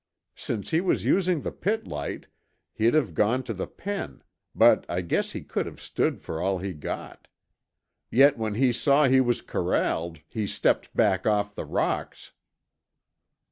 Since he was using the pit light, he'd have gone to the pen, but I guess he could have stood for all he got. Yet when he saw he was corralled, he stepped back off the rocks!"